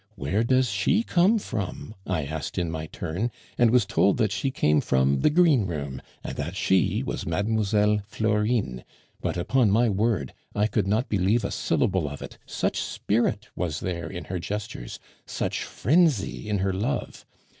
"Where does she come from?" I asked in my turn, and was told that she came from the greenroom, and that she was Mademoiselle Florine; but, upon my word, I could not believe a syllable of it, such spirit was there in her gestures, such frenzy in her love.